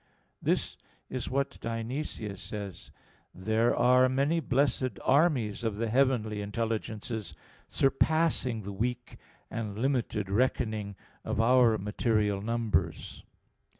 This is what Dionysius says (Coel. Hier. xiv): "There are many blessed armies of the heavenly intelligences, surpassing the weak and limited reckoning of our material numbers."